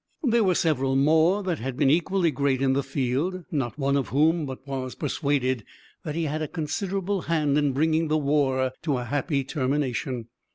There were several more that had been equally great in the field, not one of whom but was persuaded that he had a considerable hand in bringing the war to a happy termination.